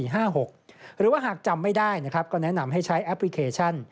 หรือว่าหากจำไม่ได้ก็แนะนำให้ใช้แอปพลิเคชัน